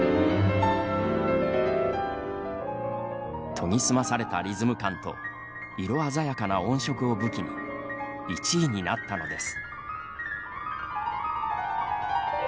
研ぎ澄まされたリズム感と色鮮やかな音色を武器に１位になったのです。